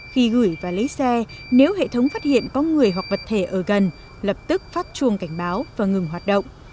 khi gửi và lấy xe nếu hệ thống phát hiện có người hoặc vật thể ở gần lập tức phát chuông cảnh báo và ngừng hoạt động